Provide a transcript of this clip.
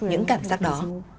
những cảm giác đó